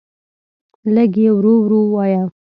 لږ یی ورو ورو وایه